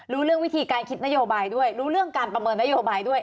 รู้เรื่องวิธีการคิดนโยบายด้วยรู้เรื่องการประเมินนโยบายด้วย